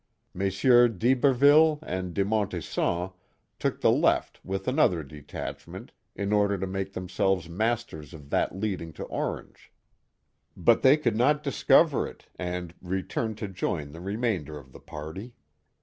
Messieurs d* Iberville and de Montesson took the left with another detachment in order to make themselves masters of that leading to Orange. But they could not discover it, and returned to join the remainder of the party.